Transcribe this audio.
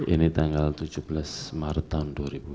ini tanggal tujuh belas maret tahun dua ribu dua puluh